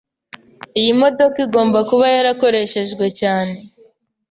Iyi modoka igomba kuba yarakoreshejwe cyane.